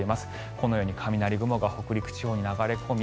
このように雷雲が北陸地方に流れ込み